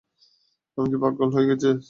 আমি কি পাগল হয়ে যাচ্ছি?